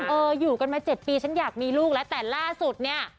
เอออยู่กันมา๗ปีฉันอยากมีลูกแล้วแต่ล่าสุดเนี่ย